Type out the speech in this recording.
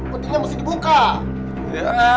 petinya mesti dibuka